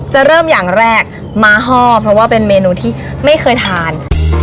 จะเริ่มอย่างแรกม้าห้อเพราะว่าเป็นเมนูที่ไม่เคยทาน